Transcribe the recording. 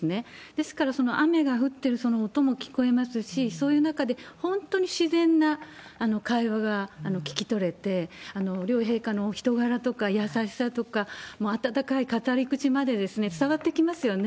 ですから、雨が降ってるその音も聞こえますし、そういう中で本当に自然な会話が聞き取れて、両陛下のお人柄とか優しさとか、もう温かい語り口まで伝わってきますよね。